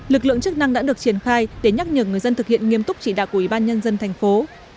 lực lượng chức năng đã được triển khai để nhắc nhở người dân thực hiện nghiêm túc chỉ đạo của ubnd thành phố